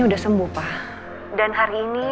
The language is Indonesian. udah sembuh pak dan hari ini